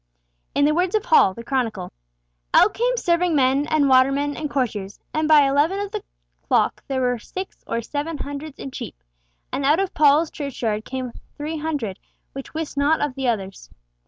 In the words of Hall, the chronicler, "Out came serving men, and watermen, and courtiers, and by XI of the chock there were VI or VII hundreds in Cheap. And out of Pawle's Churchyard came III hundred which wist not of the others."